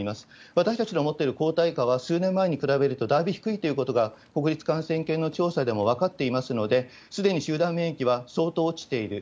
私たちの持ってる抗体価は、数年前に比べるとだいぶ低いということが、国立感染研の調査でも分かっていますので、すでに集団免疫は相当落ちている。